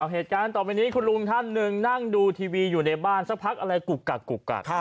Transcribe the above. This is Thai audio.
เหตุการณ์ต่อไปนี้คุณลุงท่านหนึ่งนั่งดูทีวีอยู่ในบ้านสักพักอะไรกุกกักกุกกัก